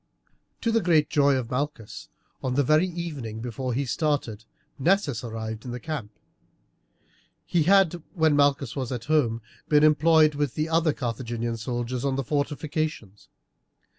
To the great joy of Malchus, on the very evening before he started Nessus arrived in the camp. He had, when Malchus was at Rome, been employed with the other Carthaginian soldiers on the fortifications.